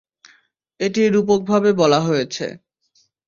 এটি রূপকভাবে বলা হয়েছে।